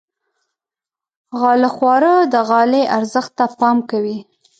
غاله خواره د غالۍ ارزښت ته پام کوي.